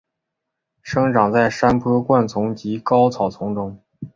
生长在山坡灌丛及高草丛中。